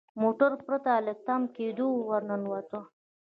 موټر پرته له تم کیدو ور ننوت.